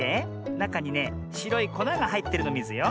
なかにねしろいこながはいってるのミズよ。